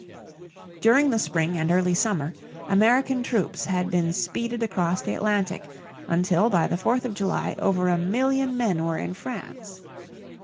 During the spring and early summer American troops had been speeded across the Atlantic until by the Fourth of July over a million men were in France.